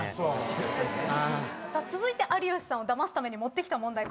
続いて有吉さんをダマすために持ってきた問題